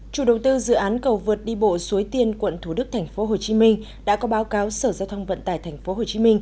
chủ đầu tư dự án cầu vượt đi bộ suối tiên quận thủ đức tp hcm đã có báo cáo sở giao thông vận tải tp hcm